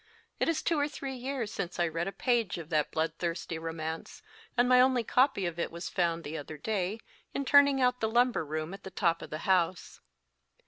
It is two or three years since I read a page of that blood thirsty romance, and my only copy of it was found, the other day, in turning" out the lumber room at the top of the house.